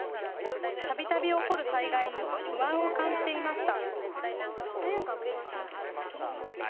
たびたび起こる災害に不安を感じていました。